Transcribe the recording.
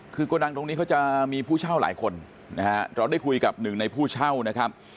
คือกรดังตรงนี้เขาจะมีผู้เช่าหลายคนนะครับเราได้คุยกับ๑ในผู้เช่า